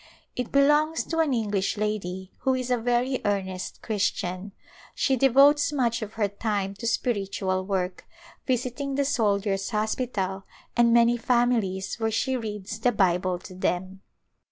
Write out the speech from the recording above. It belongs to an English lady who is a very earnest Christian ; she devotes much of her time to spiritual work, visiting the Soldiers' Hospital and many families where she reads the Bible to them.